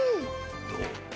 どう？